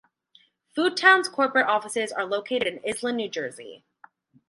Foodtown's corporate offices are located in Iselin, New Jersey.